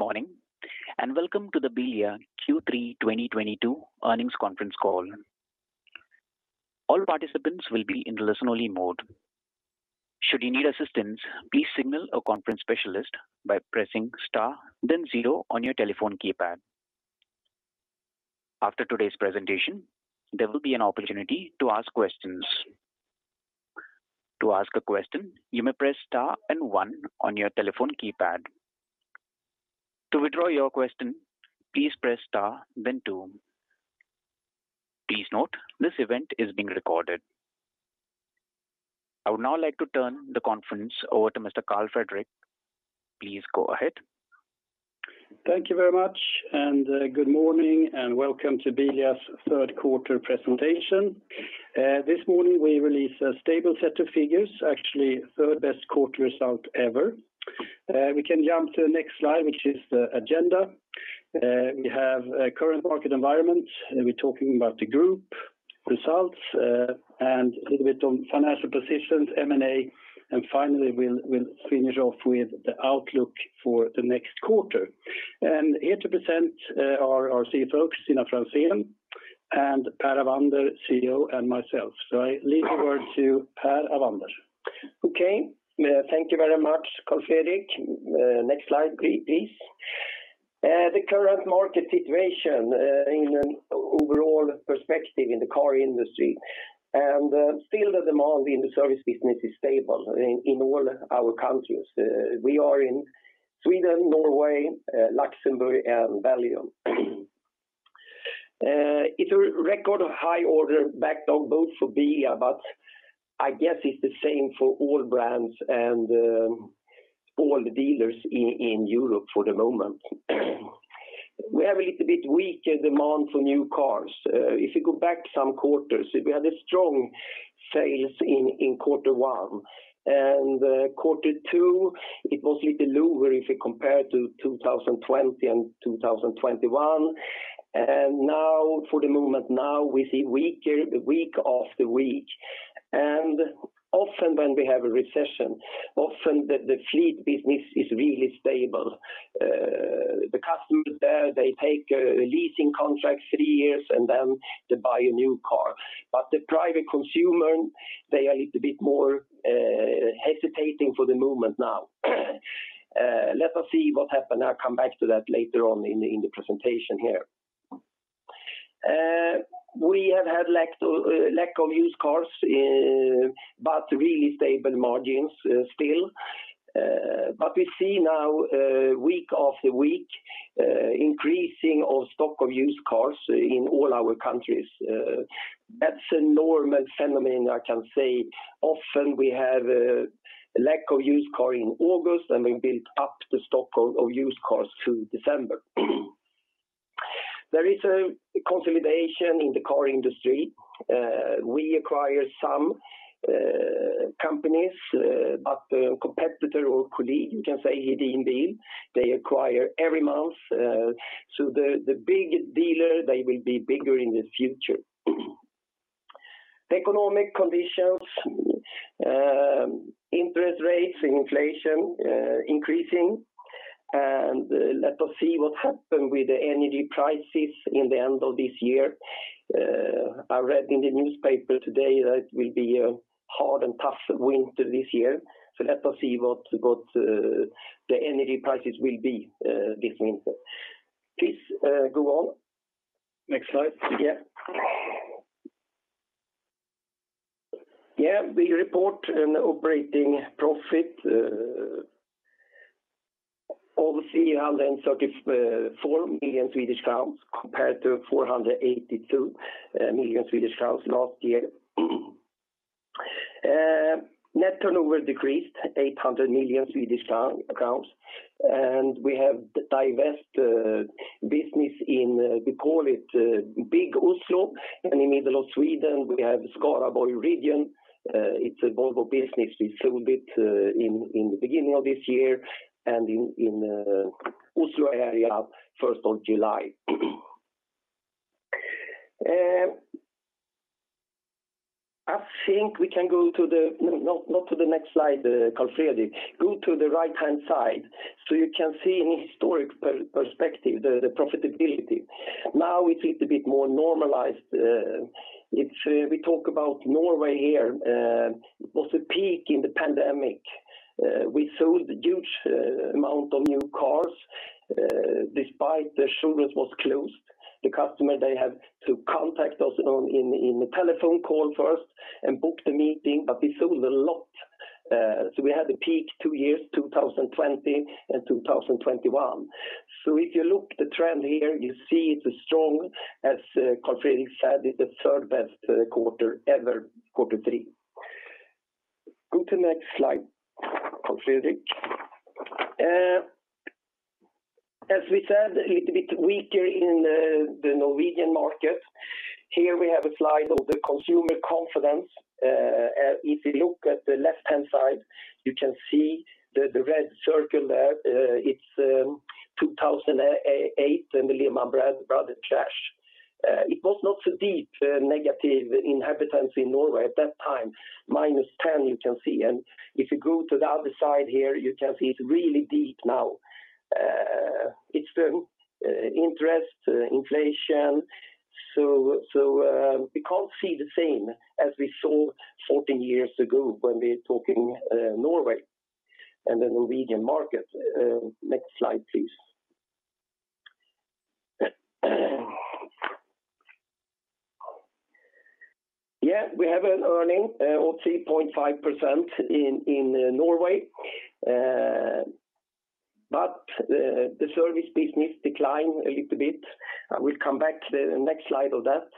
Good morning, and welcome to the Bilia Q3 2022 Earnings Conference Call. All participants will be in listen only mode. Should you need assistance, please signal a conference specialist by pressing star then zero on your telephone keypad. After today's presentation, there will be an opportunity to ask questions. To ask a question, you may press star and one on your telephone keypad. To withdraw your question, please press star then two. Please note, this event is being recorded. I would now like to turn the conference over to Mr. Carl Fredrik. Please go ahead. Thank you very much, and good morning, and welcome to Bilia's Q3 presentation. This morning we release a stable set of figures, actually third best quarter result ever. We can jump to the next slide, which is the agenda. We have current market environment, and we're talking about the group results, and a little bit on financial positions, M&A, and finally, we'll finish off with the outlook for the next quarter. Here to present are our CFO, Kristina Franzén and Per Avander, CEO, and myself. I leave the word to Per Avander. Okay. Thank you very much, Carl Fredrik. Next slide, please. The current market situation, in an overall perspective in the car industry and, still the demand in the service business is stable in all our countries. We are in Sweden, Norway, Luxembourg and Belgium. It's a record of high order backlog on both for Bilia, but I guess it's the same for all brands and all the dealers in Europe for the moment. We have a little bit weaker demand for new cars. If you go back some quarters, we had strong sales in Q1. Q2, it was little lower if you compare to 2020 and 2021. Now, for the moment, we see weaker week after week. Often when we have a recession, often the fleet business is really stable. The customers there, they take leasing contracts three years, and then they buy a new car. The private consumer, they are a little bit more hesitating for the moment now. Let us see what happen. I'll come back to that later on in the presentation here. We have had lack of used cars, but really stable margins, still. We see now, week after week, increasing of stock of used cars in all our countries. That's a normal phenomenon I can say. Often we have lack of used car in August, and we build up the stock of used cars through December. There is a consolidation in the car industry. We acquire some companies, but a competitor or colleague, you can say, Hedin Bil, they acquire every month. The big dealer, they will be bigger in the future. The economic conditions, interest rates, inflation, increasing. Let us see what happen with the energy prices in the end of this year. I read in the newspaper today that it will be a hard and tough winter this year. Let us see what the energy prices will be this winter. Please, go on. Next slide. We report an operating profit of 334 million Swedish crowns compared to 482 million Swedish crowns last year. Net turnover decreased 800 million Swedish crowns, and we divested business in what we call big Oslo. In middle of Sweden, we have Skaraborg Region. It's a Volvo business. We sold it in the beginning of this year and in the Oslo area first of July. I think we can go to the. No, not to the next slide, Carl Fredrik. Go to the right-hand side, so you can see in historical perspective the profitability. Now it is a bit more normalized. It's we talk about Norway here. It was a peak in the pandemic. We sold huge amount of new cars despite the showrooms was closed. The customer, they have to contact us online in a telephone call first and book the meeting, but we sold a lot. We had the peak two years, 2020 and 2021. If you look the trend here, you see it's as strong as Carl Fredrik said, it's the third best quarter ever, Q3. Go to next slide, Carl Fredrik. As we said, a little bit weaker in the Norwegian market. Here we have a slide of the consumer confidence. If you look at the left-hand side, you can see the red circle there. It's 2008 and the Lehman Brothers crash. It was not so deep negative in the business in Norway at that time, -10%, you can see. If you go to the other side here, you can see it's really deep now. It's the interest inflation. We can't see the same as we saw 14 years ago when we're talking Norway and the Norwegian market. Next slide, please. We have an earning of 3.5% in Norway. The service business declined a little bit. We'll come back to the next slide of that.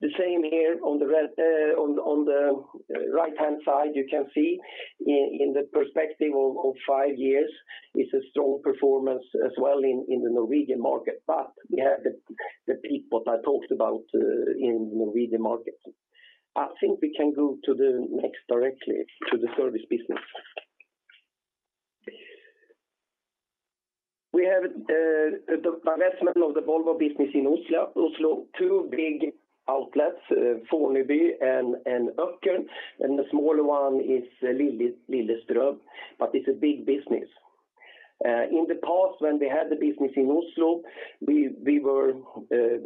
The same here on the right-hand side, you can see in the perspective of 5 years, it's a strong performance as well in the Norwegian market. We have the peak what I talked about in Norwegian market. I think we can go to the next directly to the service business. We have the divestment of the Volvo business in Oslo. Oslo, two big outlets, Fornebu and Økern, and the smaller one is Lillestrøm, but it's a big business. In the past, when we had the business in Oslo, we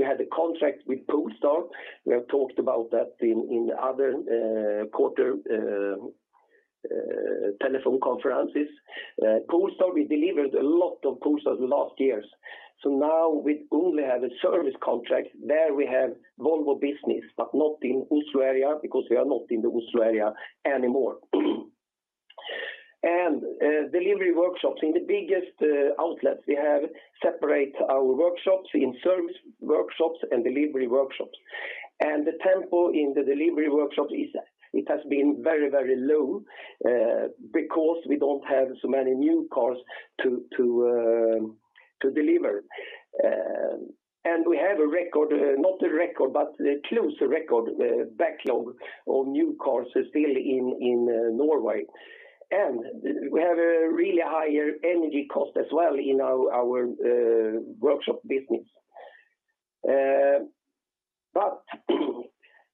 had a contract with Polestar. We have talked about that in other quarterly telephone conferences. Polestar, we delivered a lot of Polestars last years. So now we only have a service contract. There we have Volvo business, but not in Oslo area because we are not in the Oslo area anymore. Delivery workshops. In the biggest outlets, we have separated our workshops in service workshops and delivery workshops. The tempo in the delivery workshops is that it has been very low because we don't have so many new cars to deliver. We have not a record, but close to record backlog of new cars still in Norway. We have a really high energy cost as well in our workshop business.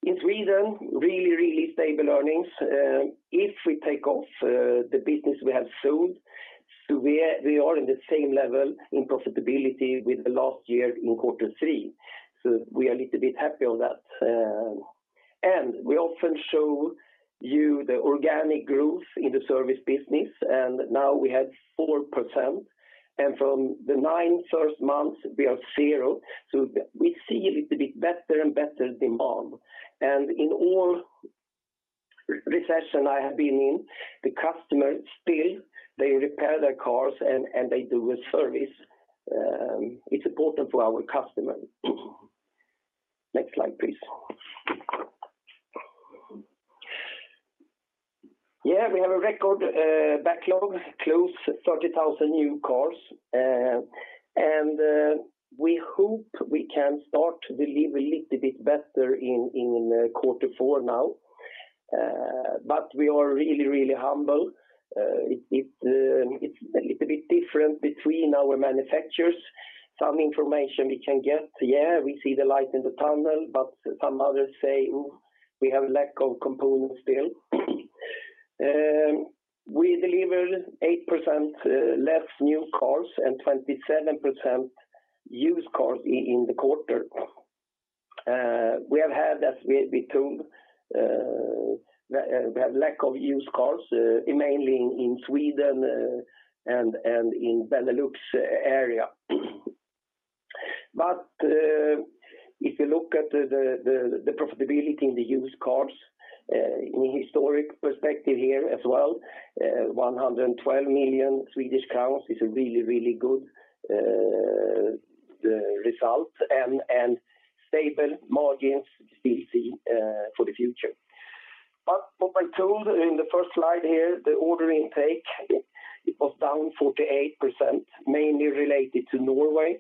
In Sweden, really stable earnings. If we take out the business we have sold, so we are in the same level in profitability with the last year in Q3. We are a little bit happy on that. We often show you the organic growth in the service business, and now we have 4%. From the first nine months, we have zero. We see a little bit better and better demand. In all recession I have been in, the customers still, they repair their cars and they do a service. It's important for our customers. Next slide, please. Yeah, we have a record backlog, close to 30,000 new cars. We hope we can start to deliver a little bit better in Q4 now. But we are really humble. It's a little bit different between our manufacturers. Some information we can get, yeah, we see the light in the tunnel, but some others say, we have lack of components still. We delivered 8% less new cars and 27% used cars in the quarter. We have had, as we told, a lack of used cars, mainly in Sweden, and in Benelux area. If you look at the profitability in the used cars, in historic perspective here as well, 112 million Swedish crowns is a really good result and stable margins we see for the future. What I told in the first slide here, the order intake, it was down 48%, mainly related to Norway.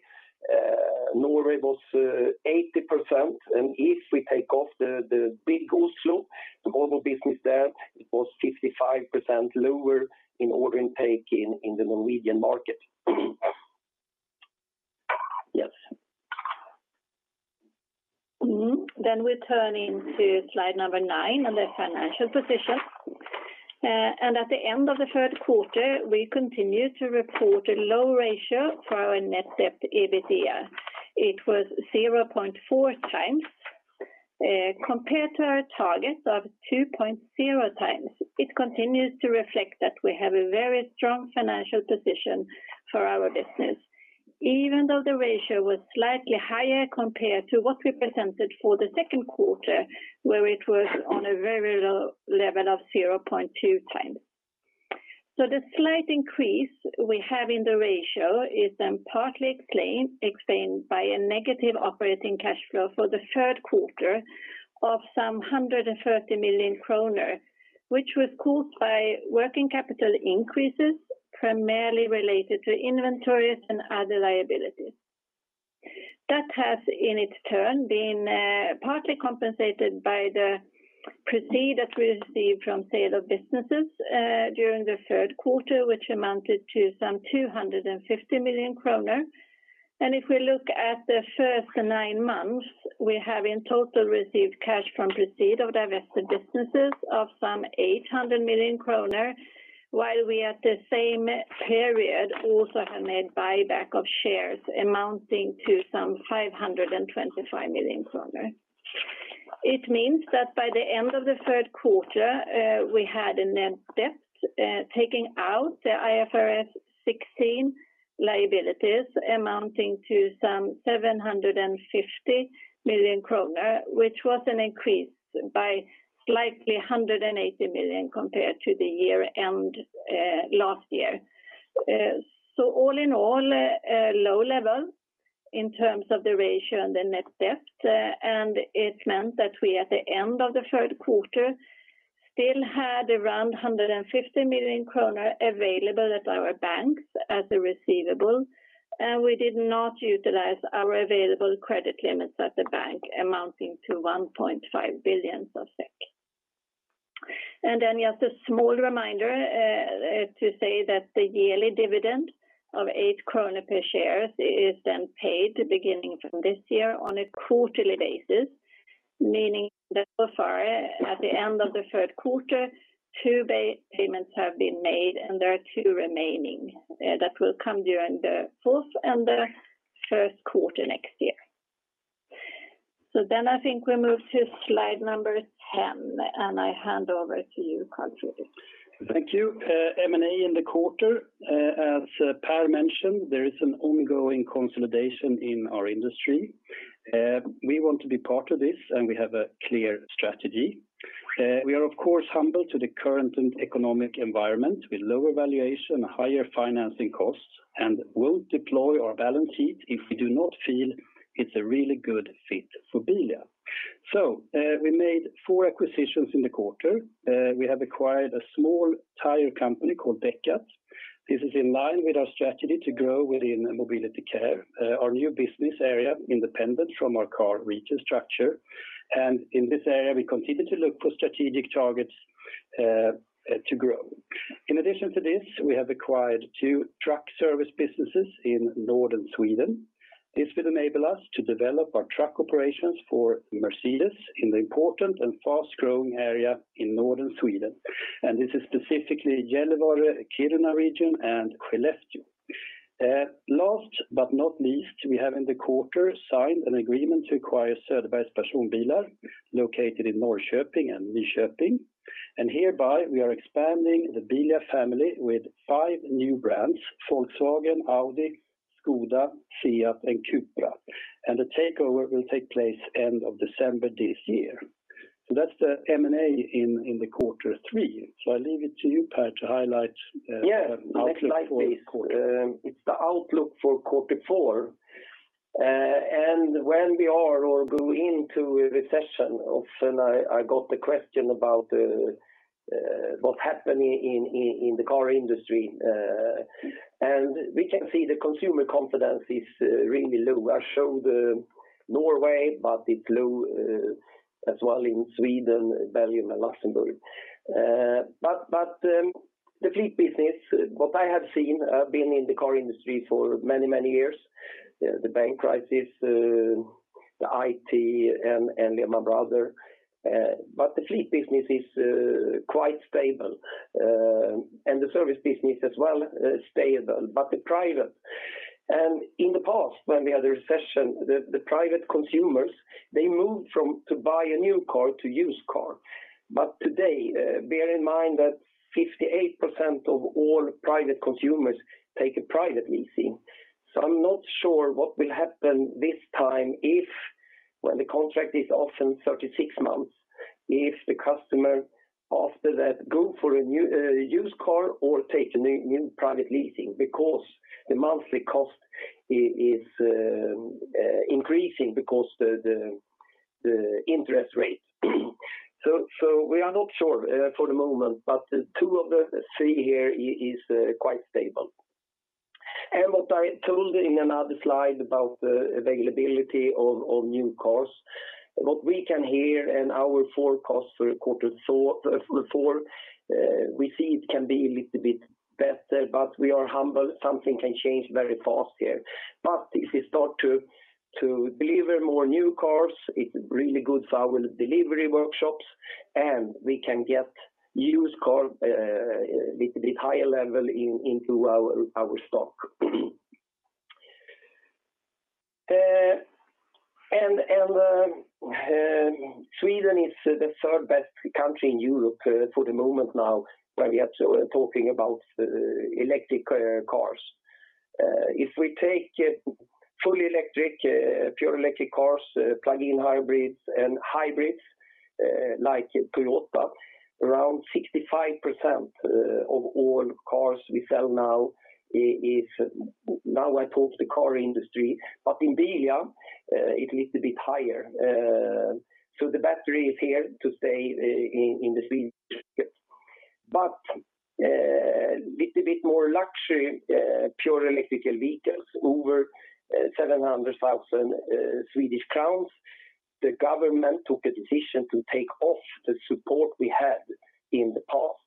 Norway was 80%. If we take off the big Oslo, the Volvo business there, it was 55% lower in order intake in the Norwegian market. We turn to slide number nine on the financial position. At the end of the Q3, we continue to report a low ratio for our net debt/EBITDA. It was 0.4x compared to our target of 2.0x. It continues to reflect that we have a very strong financial position for our business, even though the ratio was slightly higher compared to what we presented for the Q2, where it was on a very low level of 0.2x. The slight increase we have in the ratio is partly explained by a negative operating cash flow for the Q3 of some 130 million kronor, which was caused by working capital increases primarily related to inventories and other liabilities. That has, in its turn, been partly compensated by the Proceeds that we received from sale of businesses during the Q3, which amounted to some 250 million kronor. If we look at the first nine months, we have in total received cash from proceeds of divested businesses of some 800 million kronor, while we at the same period also have made buyback of shares amounting to some 525 million kronor. It means that by the end of the Q3, we had a net debt taking out the IFRS 16 liabilities amounting to some 750 million kronor, which was an increase by slightly 180 million compared to the year end last year. All in all, a low level in terms of the ratio and the net debt. It meant that we, at the end of the Q3, still had around 150 million kronor available at our banks as a receivable. We did not utilize our available credit limits at the bank amounting to SEK 1.5 billion. Just a small reminder to say that the yearly dividend of 8 krona per share is then paid beginning from this year on a quarterly basis, meaning that so far, at the end of the Q3, two payments have been made and there are two remaining that will come during the Q4 and the Q1 next year. I think we move to slide number 10, and I hand over to you, Carl Fredrik. Thank you. M&A in the quarter. As Per mentioned, there is an ongoing consolidation in our industry. We want to be part of this, and we have a clear strategy. We are of course humble in the current economic environment with lower valuation, higher financing costs, and we'll deploy our balance sheet if we do not feel it's a really good fit for Bilia. We made four acquisitions in the quarter. We have acquired a small tire company called Däckat. This is in line with our strategy to grow within Mobility Care, our new business area, independent from our car retail structure. In this area, we continue to look for strategic targets to grow. In addition to this, we have acquired two truck service businesses in northern Sweden. This will enable us to develop our truck operations for Mercedes-Benz in the important and fast-growing area in northern Sweden. This is specifically Gällivare, Kiruna region, and Skellefteå. Last but not least, we have in the quarter signed an agreement to acquire Söderbergs Personbilar located in Norrköping and Nyköping. Hereby, we are expanding the Bilia family with five new brands, Volkswagen, Audi, Škoda, Fiat, and Cupra. The takeover will take place end of December this year. That's the M&A in the Q3 I leave it to you, Per, to highlight outlook for this quarter. Yeah. Next slide, please. It's the outlook for Q4. When we are or go into a recession, often I got the question about what happened in the car industry. We can see the consumer confidence is really low. I show Norway, but it's low as well in Sweden, Belgium, and Luxembourg. The fleet business, what I have seen, I've been in the car industry for many years, the bank crisis, the IT, and Lehman Brothers. The fleet business is quite stable, and the service business as well stable. But the private, in the past when we had a recession, they moved from to buy a new car to used car. Today, bear in mind that 58% of all private consumers take a private leasing. I'm not sure what will happen this time if, when the contract is often 36 months, if the customer after that go for a new used car or take a new private leasing because the monthly cost is increasing because the interest rates. We are not sure for the moment, but the two of the three here is quite stable. What I told in another slide about the availability of new cars, what we can hear in our forecast for Q4, we see it can be a little bit better, but we are humble. Something can change very fast here. If we start to deliver more new cars, it's really good for our delivery workshops, and we can get used car little bit higher level into our stock. Sweden is the third best country in Europe for the moment now when we are talking about electric cars. If we take fully electric pure electric cars, plug-in hybrids and hybrids like Polestar, around 65% of all cars we sell now is. Now I talk the car industry, but in Bilia it's little bit higher. So the battery is here to stay in the Swedish. But little bit more luxury pure electrical vehicles over 700,000 Swedish crowns. The government took a decision to take off the support we had in the past.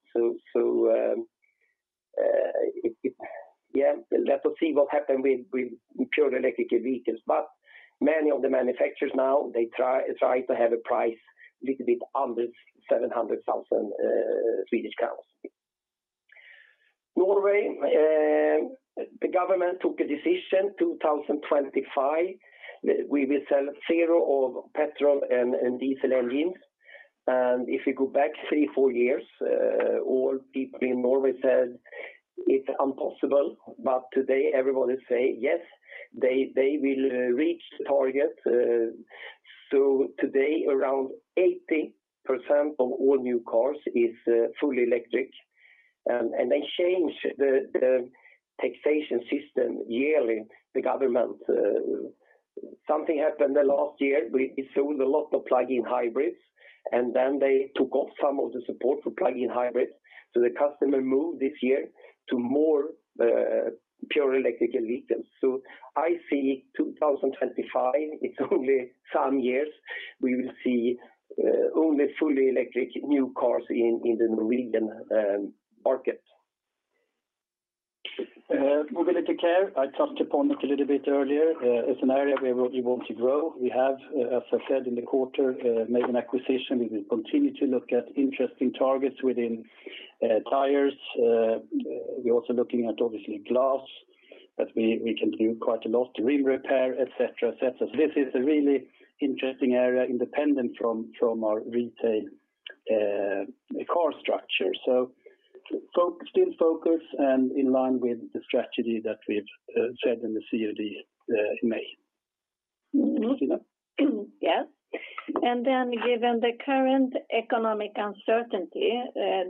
Let us see what happen with pure electric vehicles. Many of the manufacturers now they try to have a price little bit under 700,000 Swedish crowns. Norway the government took a decision 2025 we will sell zero of petrol and diesel engines. If you go back three, four years all people in Norway said it's impossible. Today everybody say yes they will reach the target. Today around 80% of all new cars is fully electric. They change the taxation system yearly the government. Something happened the last year. We sold a lot of plug-in hybrids and then they took off some of the support for plug-in hybrids. The customer moved this year to more pure electric vehicles. I see 2025. It's only some years we will see only fully electric new cars in the Norwegian market. Mobility Care, I touched upon it a little bit earlier. It's an area where we want to grow. We have, as I said in the quarter, made an acquisition. We will continue to look at interesting targets within, tires. We're also looking at obviously glass, that we can do quite a lot to repair, et cetera. This is a really interesting area independent from our retail car structure. Focus still and in line with the strategy that we've said in the CMD, in May. Kristina? Yes. Given the current economic uncertainty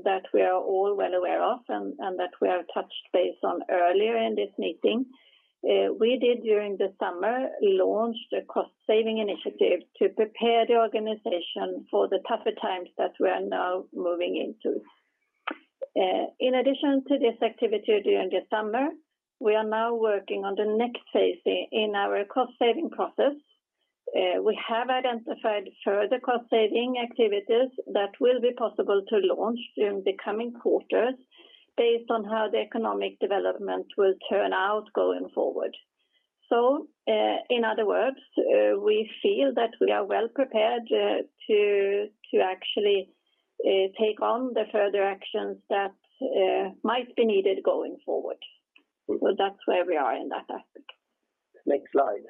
that we are all well aware of and that we have touched base on earlier in this meeting, we did during the summer launch the cost-saving initiative to prepare the organization for the tougher times that we're now moving into. In addition to this activity during the summer, we are now working on the next phase in our cost-saving process. We have identified further cost-saving activities that will be possible to launch during the coming quarters based on how the economic development will turn out going forward. In other words, we feel that we are well prepared to actually take on the further actions that might be needed going forward. That's where we are in that aspect. Next slide.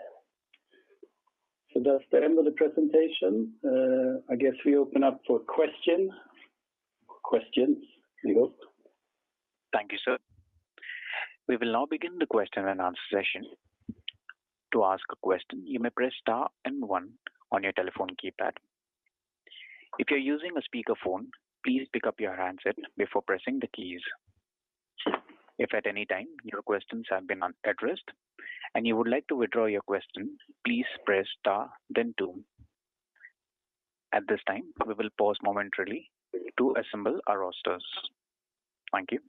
That's the end of the presentation. I guess we open up for questions. Nikos? Thank you, sir. We will now begin the question and answer session. To ask a question, you may press star and one on your telephone keypad. If you're using a speakerphone, please pick up your handset before pressing the keys. If at any time your questions have been unaddressed and you would like to withdraw your question, please press star then two. At this time, we will pause momentarily to assemble our rosters. Thank you.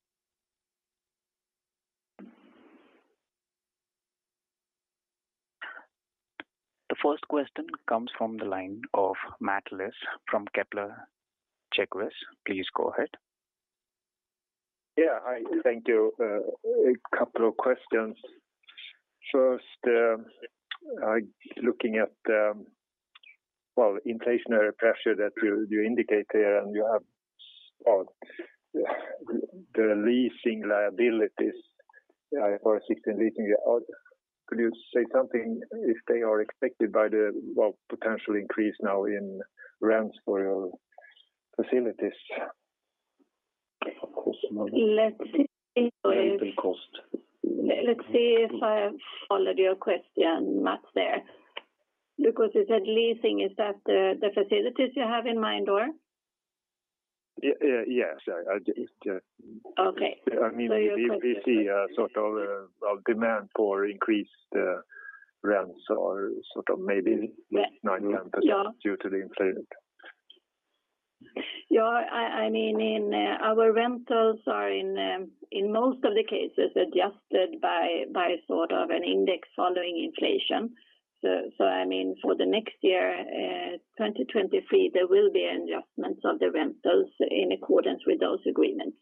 The first question comes from the line of Mats Liss from Kepler Cheuvreux. Please go ahead. Yeah. Hi. Thank you. A couple of questions. First, looking at the, well, inflationary pressure that you indicate there and you have, well, the leasing liabilities, for existing leasing. Could you say something if they are affected by the, well, potential increase now in rents for your facilities? Of course. Let's see. Rental cost. Let's see if I followed your question, Mats, there. Because you said leasing, is that the facilities you have in mind, or? Yes. I just Okay. I mean, do you see a sort of, well, demand for increased rents or sort of maybe 9%-10% due to the inflation? Yeah. I mean, our rentals are in most of the cases adjusted by sort of an index following inflation. I mean, for the next year, 2023, there will be adjustments of the rentals in accordance with those agreements.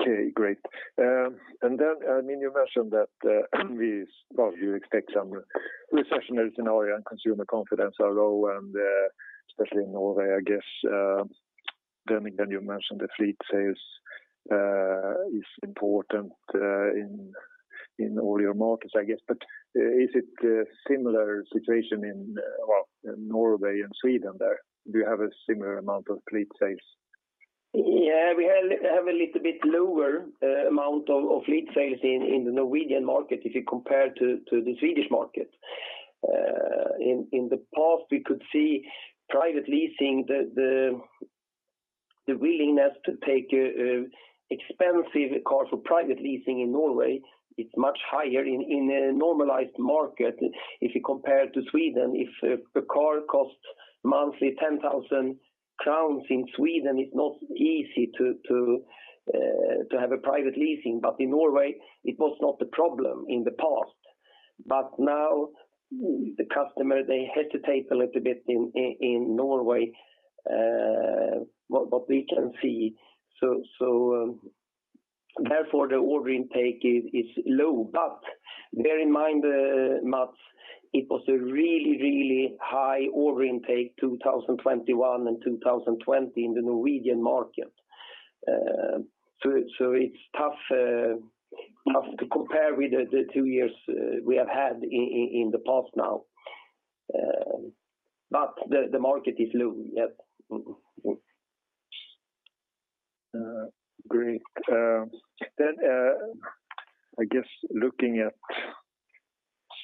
Okay. Great. Then, I mean, you mentioned that, well, you expect some recessionary scenario and consumer confidence are low, especially in Norway, I guess. Then you mentioned the fleet sales is important in all your markets, I guess. Is it a similar situation in, well, in Norway and Sweden there? Do you have a similar amount of fleet sales? Yeah. We have a little bit lower amount of fleet sales in the Norwegian market if you compare to the Swedish market. In the past, we could see private leasing, the willingness to take expensive cars for private leasing in Norway is much higher in a normalized market. If you compare to Sweden, if a car costs monthly 10,000 crowns in Sweden, it's not easy to have a private leasing. In Norway it was not the problem in the past. Now the customer, they hesitate a little bit in Norway, what we can see. Therefore the order intake is low. Bear in mind, Mats, it was a really high order intake 2021 and 2020 in the Norwegian market. So it's tough to compare with the two years we have had in the past now. The market is low, yes. Great. I guess looking at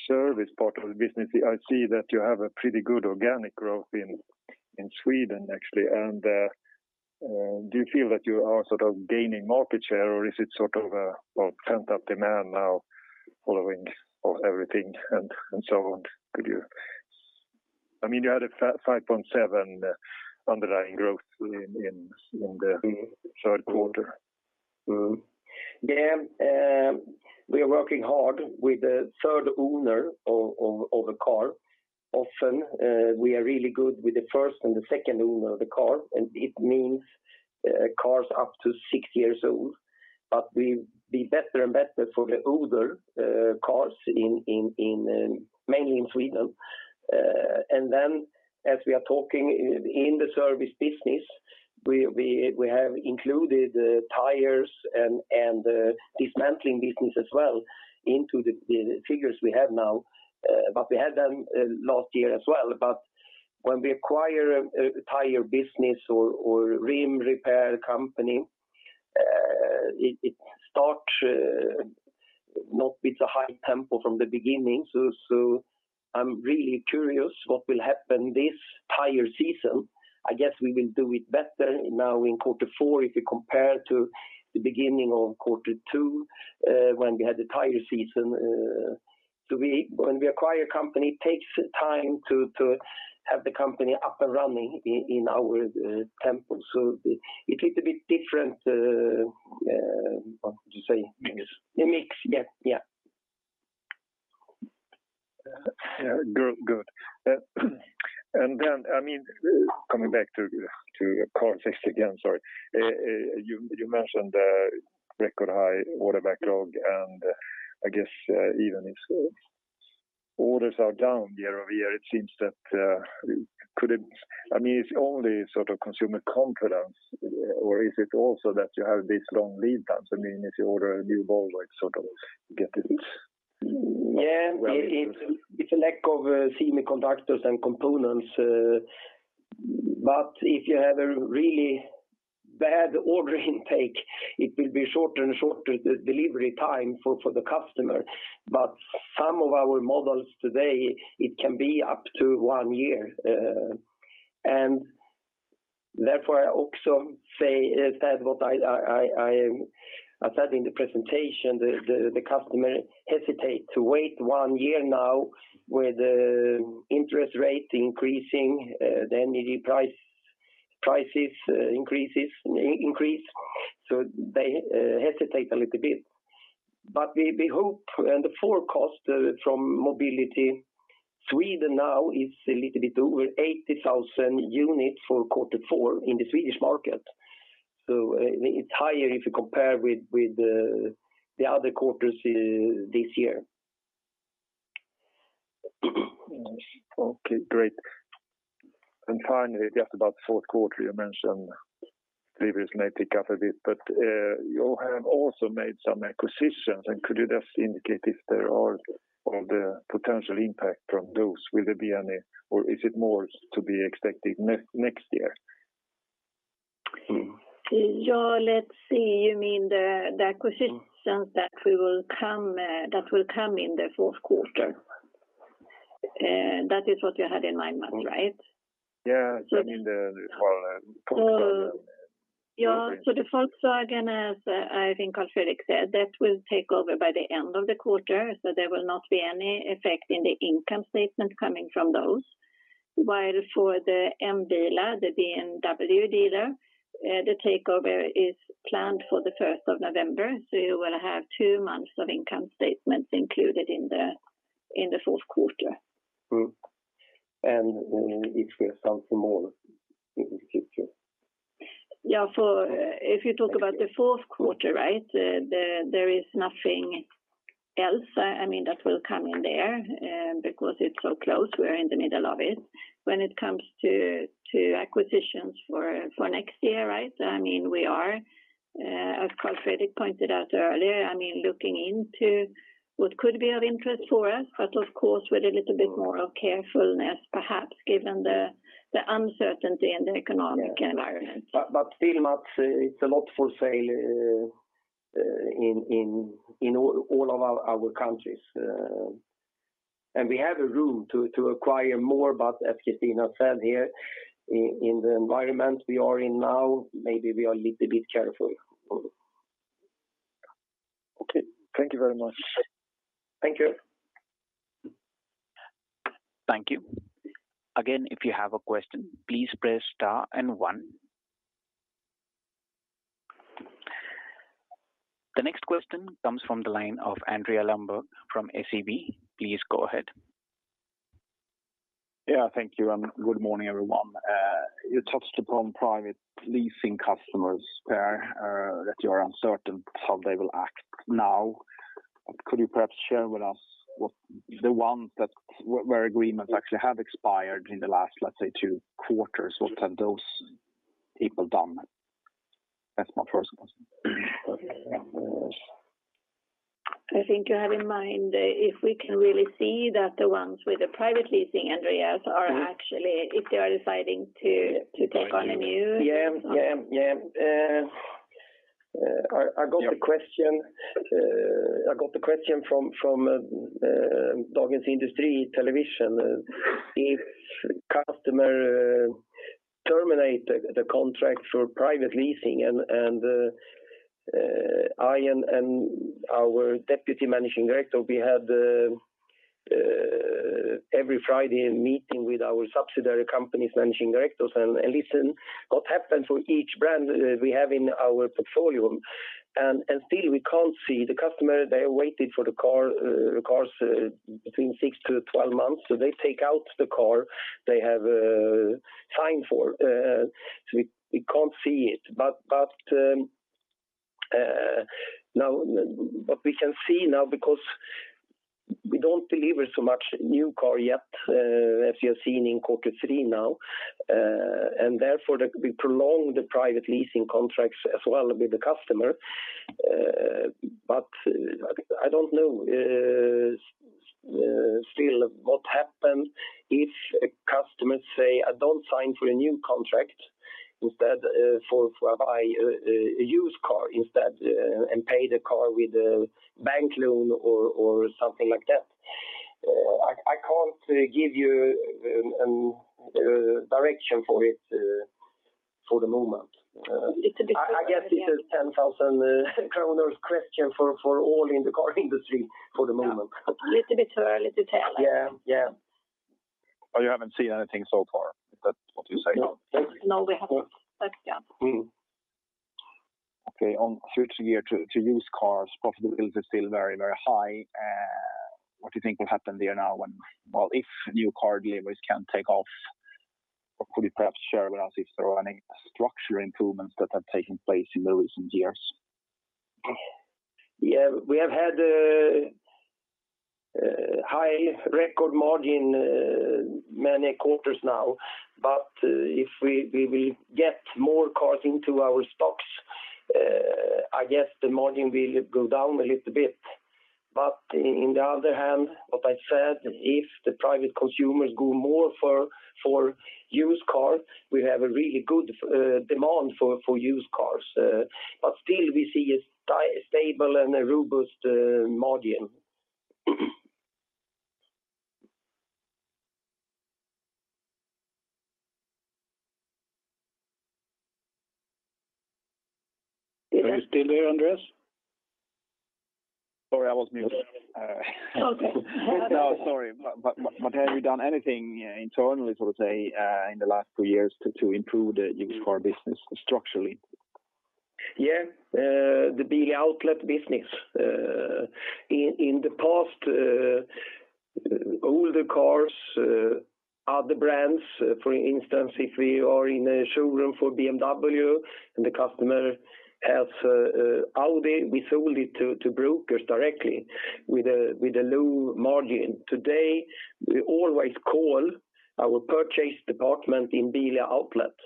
service part of the business, I see that you have a pretty good organic growth in Sweden actually. Do you feel that you are sort of gaining market share or is it sort of a, well, pent-up demand now following of everything and so on? Could you? I mean, you had a 5.7% underlying growth in the Q3. We are working hard with the third owner of a car. Often, we are really good with the first and the second owner of the car, and it means cars up to six years old. We've been better and better for the older cars mainly in Sweden. As we are talking in the service business, we have included tires and dismantling business as well into the figures we have now. We had them last year as well. When we acquire a tire business or rim repair company, it starts not with a high tempo from the beginning. I'm really curious what will happen this tire season. I guess we will do it better now in Q4 if you compare to the beginning of Q2, when we had the tire season. When we acquire a company, it takes time to have the company up and running in our tempo. It's a little bit different, what would you say? Mix. The mix. Yeah, yeah. Yeah. Good. Good. I mean, coming back to car fix again, sorry. You mentioned record high order backlog, and I guess even if orders are down year-over-year, it seems that I mean, it's only sort of consumer confidence or is it also that you have this long lead times? I mean, if you order a new Volvo, it's sort of get it. Yeah. Well. It's a lack of semiconductors and components. If you have a really bad order intake, it will be shorter and shorter the delivery time for the customer. Some of our models today, it can be up to one year. Therefore I also say that what I said in the presentation the customer hesitate to wait one year now with interest rate increasing, the energy prices increase. They hesitate a little bit. We hope and the forecast from Mobility Sweden now is a little bit over 80,000 units for Q4 in the Swedish market. It's higher if you compare with the other quarters this year. Okay, great. Finally, just about the Q4 you mentioned previously may pick up a bit. You have also made some acquisitions, and could you just indicate if there are or the potential impact from those? Will there be any or is it more to be expected next year? Mm-hmm. Yeah. Let's see. You mean the acquisitions that will come in the Q4? That is what you had in mind, Mats, right? Yeah. I mean the Volvo and Volkswagen. The Volkswagen, as I think Carl Fredrik said, that will take over by the end of the quarter. There will not be any effect in the income statement coming from those. While for the M Bilar Group, the BMW dealer, the takeover is planned for the 1st of November. You will have two months of income statements included in the Q4. Mm-hmm. If we have time for more in the future. If you talk about the Q4, right, there is nothing else, I mean, that will come in there, because it's so close. We are in the middle of it. When it comes to acquisitions for next year, right? I mean, we are, as Carl Fredrik pointed out earlier, I mean, looking into what could be of interest for us, but of course with a little bit more of carefulness perhaps given the uncertainty in the economic environment. Still, Mats, it's a lot for sale in all of our countries. We have room to acquire more. As Kristina said here, in the environment we are in now, maybe we are a little bit careful. Okay. Thank you very much. Thank you. Thank you. Again, if you have a question, please press star and one. The next question comes from the line of Andreas Lundberg from SEB. Please go ahead. Yeah, thank you, and good morning, everyone. You touched upon private leasing customers, Per, that you are uncertain how they will act now. Could you perhaps share with us what the ones where agreements actually have expired in the last, let's say, two quarters, what have those people done? That's my first question. I think you have in mind, if we can really see that the ones with the private leasing, Andreas, are actually, if they are deciding to take on a new- Yeah. I got the question from Dagens Industri Television. If customer terminate the contract for private leasing and I and our deputy managing director, we have every Friday a meeting with our subsidiary companies managing directors and listen what happened for each brand we have in our portfolio. Still we can't see. The customer, they waited for the car cars between 6-12 months, so they take out the car they have signed for. We can't see it. What we can see now because we don't deliver so much new car yet, as you have seen in Q3 now. Therefore, we prolong the private leasing contracts as well with the customer. I don't know still what happened if a customer say, I don't sign for a new contract, instead, for buy a used car instead, and pay the car with a bank loan or something like that. I can't give you direction for it for the moment. It's a bit early, yeah. I guess it is 10,000 kronor question for all in the car industry for the moment. Yeah. A little bit early to tell, I think. Yeah. You haven't seen anything so far. Is that what you're saying? No. No, we haven't. Yeah. Okay. On future year to used cars, profitability is still very, very high. What do you think will happen there now if new car deliveries can take off, or could you perhaps share with us if there are any structural improvements that have taken place in the recent years? Yeah. We have had a high record margin many quarters now. If we will get more cars into our stocks, I guess the margin will go down a little bit. On the other hand, what I said, if the private consumers go more for used cars, we have a really good demand for used cars. Still we see a stable and a robust margin. Are you still there, Andreas? Sorry, I was muted. Okay. No, sorry. Have you done anything internally, so to say, in the last two years to improve the used car business structurally? Yeah. The Bilia Outlet business. In the past, older cars, other brands, for instance, if we are in a showroom for BMW and the customer has Audi, we sold it to brokers directly with a low margin. Today, we always call our purchase department in Bilia Outlet,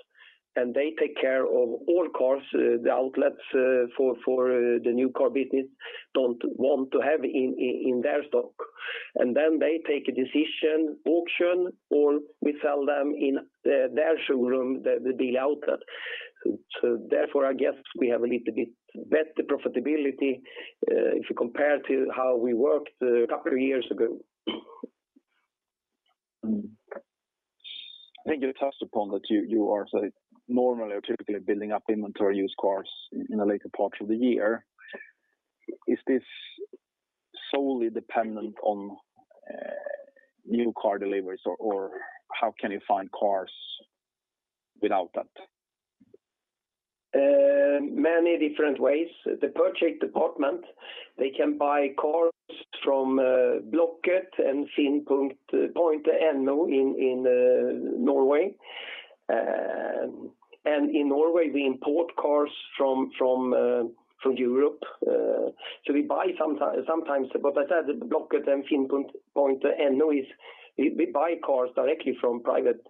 and they take care of all cars, the outlets for the new car business don't want to have in their stock. They take a decision, auction, or we sell them in their showroom, the Bilia Outlet. Therefore, I guess we have a little bit better profitability, if you compare to how we worked a couple of years ago. I think you touched upon that you are, say, normally or typically building up inventory used cars in the later parts of the year. Is this solely dependent on new car deliveries? Or how can you find cars without that? Many different ways. The purchase department, they can buy cars from Blocket and FINN.no in Norway. In Norway, we import cars from Europe. So we buy sometimes, but I said, Blocket and FINN.no is we buy cars directly from private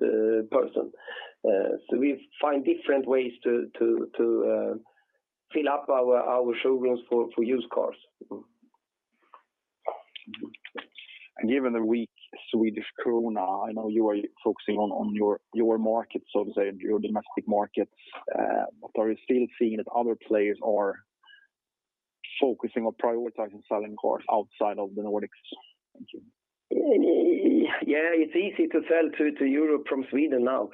person. So we find different ways to fill up our showrooms for used cars. Given the weak Swedish krona, I know you are focusing on your market, so to say, your domestic market. Are you still seeing that other players are? Focusing or prioritizing selling cars outside of the Nordics. Thank you. Yeah, it's easy to sell to Europe from Sweden now,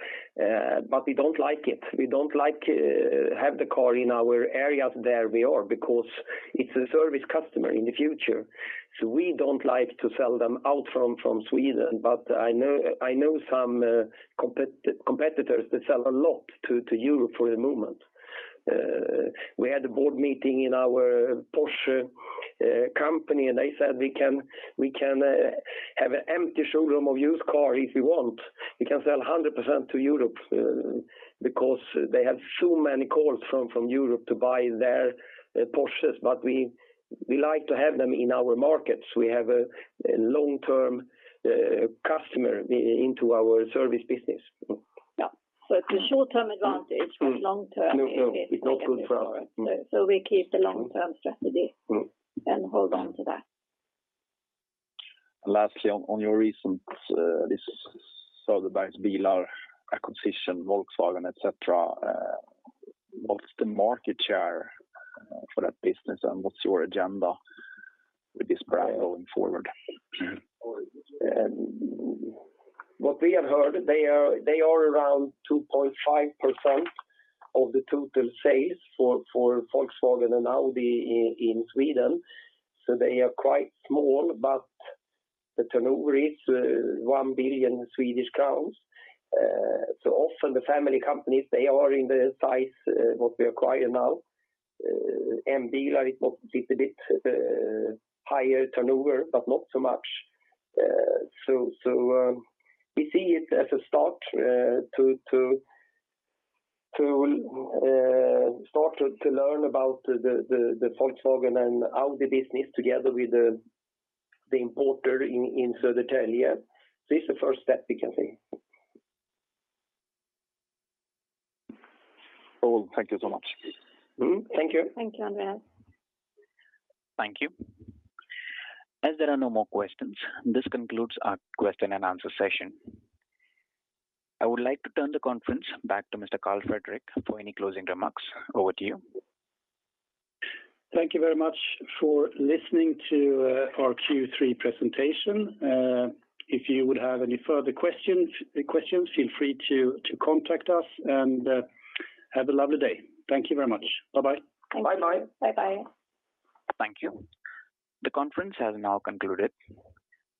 but we don't like it. We don't like to have the car in our areas where we are because it's a service customer in the future. We don't like to sell them out from Sweden. I know some competitors that sell a lot to Europe for the moment. We had a board meeting in our Porsche company, and they said we can have an empty showroom of used car if we want. We can sell 100% to Europe because they have so many calls from Europe to buy their Porsches. We like to have them in our markets. We have a long-term customer in our service business. Yeah. It's a short-term advantage but long-term. No, no. It's not good for us. We keep the long-term strategy. Mm-hmm. And hold on to that. Lastly, on your recent this Söderbergs Personbilar acquisition, Volkswagen, etc., what's the market share for that business and what's your agenda with this brand going forward? What we have heard, they are around 2.5% of the total sales for Volkswagen and Audi in Sweden. They are quite small, but the turnover is 1 billion Swedish crowns. Often the family companies they are in the size what we acquire now. M Bilar is a bit higher turnover, but not so much. We see it as a start to learn about the Volkswagen and Audi business together with the importer in Södertälje. This is the first step we can take. Oh, thank you so much. Mm-hmm. Thank you. Thank you, Andreas. Thank you. As there are no more questions, this concludes our question and answer session. I would like to turn the conference back to Mr. Carl Fredrik for any closing remarks. Over to you. Thank you very much for listening to our Q3 presentation. If you would have any further questions, feel free to contact us and have a lovely day. Thank you very much. Bye-bye. Bye-bye. Bye-bye. Thank you. The conference has now concluded.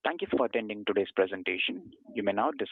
Thank you for attending today's presentation. You may now disconnect.